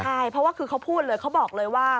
ใช่เพราะว่าเค้าบอกเลยว่า